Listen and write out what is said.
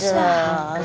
tidak bisa duduk sana